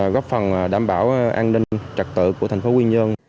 góp phần đảm bảo an ninh trật tự của thành phố quy nhơn